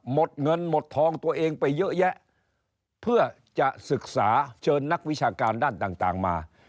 หมดเงินหมดทองตัวเองไปเยอะแยะเพื่อจะศึกษาเชิญนักวิชาการด้านต่างมา